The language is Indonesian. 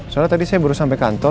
soalnya tadi saya baru sampai kantor